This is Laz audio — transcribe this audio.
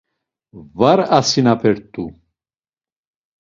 Var asinapert̆u.